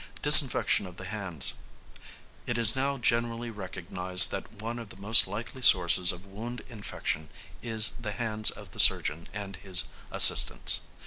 #Disinfection of the Hands.# It is now generally recognised that one of the most likely sources of wound infection is the hands of the surgeon and his assistants.